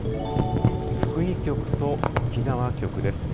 福井局と沖縄局です。